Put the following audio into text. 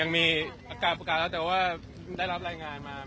มีอาการประกาศแล้วแต่ว่าได้รับรายงานมา